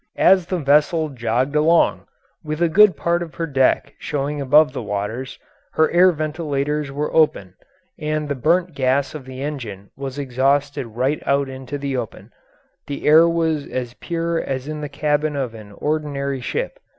As the vessel jogged along, with a good part of her deck showing above the waves, her air ventilators were open and the burnt gas of the engine was exhausted right out into the open; the air was as pure as in the cabin of an ordinary ship.